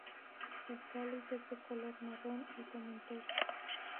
El cáliz es de color marrón y tomentoso.